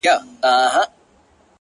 ته یې په مسجد او درمسال کي کړې بدل،